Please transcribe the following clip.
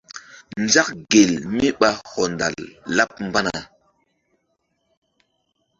Nzak gel mí ɓa hɔndal laɓ mbana.